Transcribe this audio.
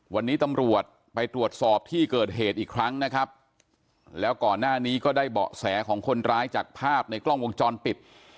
วันนี้ตำรวจไปตรวจสอบที่เกิดเหตุอีกครั้งนะครับแล้วก่อนหน้านี้ก็ได้เบาะแสของคนร้ายจากภาพในกล้องวงจรปิด